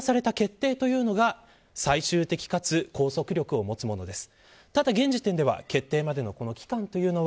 ここで下された決定というのが最終的かつ拘束力を持つものです。